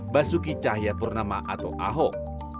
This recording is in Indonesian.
basuki cahaya purnama atau ahok